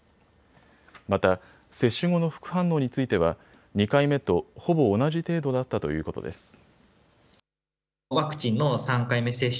また、接種後の副反応については２回目とほぼ同じ程度だったということです。